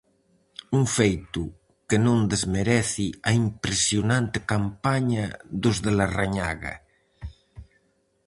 Un feito que non desmerece a impresionante campaña dos de Larrañaga.